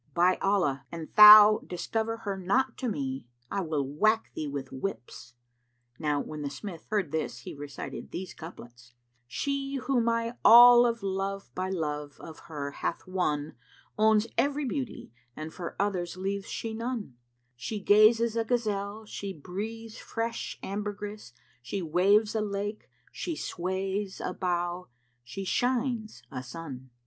By Allah, an thou discover her not to me, I will whack thee with whips." Now when the smith heard this, he recited these couplets[FN#365], "She who my all of love by love of her hath won * Owns every Beauty and for others leaves she none: She gazes, a gazelle; she breathes, fresh ambergris * She waves, a lake; she sways, a bough; she shines, a Sun."